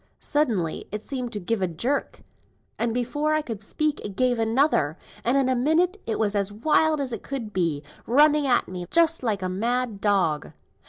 Suddenly it seemed to give a jerk, and before I could speak, it gave another, and in a minute it was as wild as could be, running at me just like a mad dog."